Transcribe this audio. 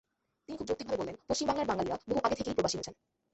তিনি খুব যৌক্তিকভাবে বললেন, পশ্চিম বাংলার বাঙালিরা বহু আগে থেকেই প্রবাসী হয়েছেন।